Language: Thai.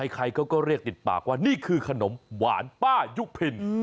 ใครเขาก็เรียกติดปากว่านี่คือขนมหวานป้ายุพิน